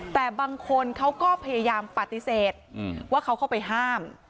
แต่บางคนเขาก็พยายามปฏิเสธว่าเขาเข้าไปห้าม